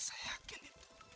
nanti aku nungguin lo dari tadi